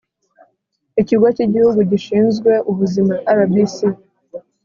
Ikigo cy igihugu gishinzwe ubuzima rbc